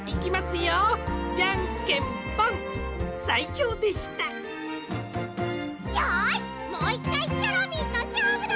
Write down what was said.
よしもう１かいチョロミーとしょうぶだ！